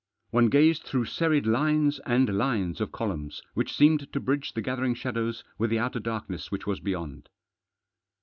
One gazed through serried lines and lines of columns which seemed to bridge the gathering shadows with the outer darkness which was beyond.